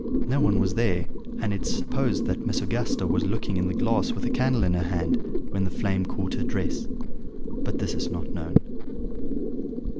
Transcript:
No one was there, and it is supposed that Miss Augusta was looking in the glass with a candle in her hand, when the flame caught her dress; but this is not known.